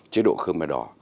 chế độ khơ mè đỏ